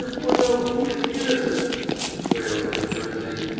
Furneaux, he is innocent," she wailed in a frenzy.